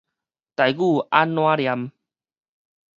台語按怎唸